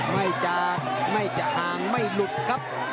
ไม่จะห่างไม่หลุกครับ